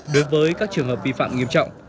đối với các trường hợp vi phạm nghiêm trọng